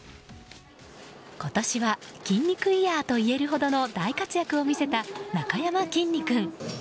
今年は筋肉イヤーと言えるほどの大活躍を見せたなかやまきんに君。